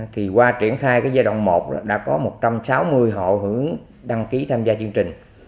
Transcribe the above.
thì qua triển khai cái giai đoạn một đã có một trăm sáu mươi hộ hưởng đăng ký tham gia chương trình